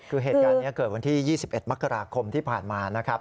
คือเหตุการณ์นี้เกิดวันที่๒๑มกราคมที่ผ่านมานะครับ